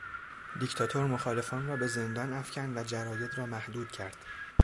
دیکتاتور مخالفان را به زندان افکند و جراید را محدود کرد.